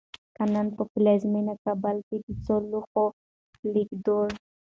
که نن په پلازمېنه کابل کې د څو لوحو لیکدړو